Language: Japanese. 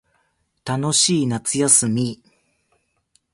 楽しい夏休み